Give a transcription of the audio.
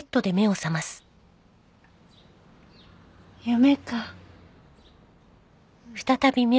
夢か。